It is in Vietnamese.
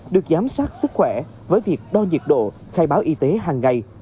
được giám sát sức khỏe với việc đo nhiệt độ khai báo y tế hàng ngày